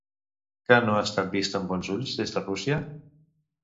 Què no ha estat vist amb bons ulls des de Rússia?